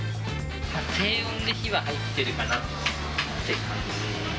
低温で火は入ってるかなって